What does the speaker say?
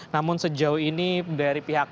namun sejauh ini dari pihak